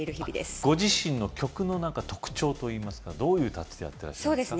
ご自身の曲の特徴といいますかどういうタッチでやってらっしゃるんですか？